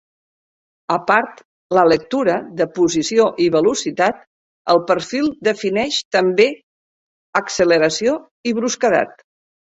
A part la lectura de posició i velocitat el perfil defineix també acceleració i brusquedat.